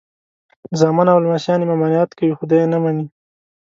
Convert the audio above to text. زامن او لمسیان یې ممانعت کوي خو دی یې نه مني.